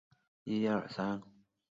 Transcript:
现任中共保定市委书记。